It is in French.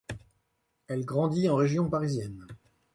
Elle grandit en région parisienne.